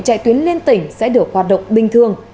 chạy tuyến liên tỉnh sẽ được hoạt động bình thường